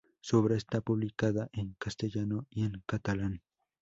Su obra está publicada en castellano y en catalán.